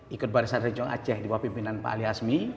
ikut barisan renjong aceh di bawah pimpinan pak ali hasmi